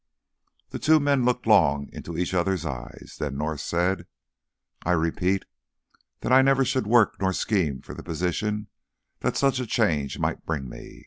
The two men looked long into each other's eyes. Then North said, "I repeat that I never should work nor scheme for the position that such a change might bring me.